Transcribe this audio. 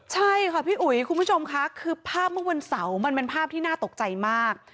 ใช่ค่ะพี่อุ๋ยคุณผู้ชมค่ะคือภาพเมื่อวันเสาร์มันเป็นภาพที่น่าตกใจมาก